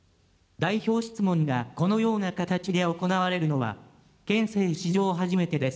代表質問がこのような形で行われるのは、憲政史上初めてです。